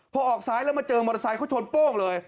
พอออกซ้ายแล้วมาเจอมอเตอร์ไซค์เขาชนโป้งเลย